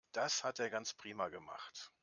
Das hat er ganz prima gemacht.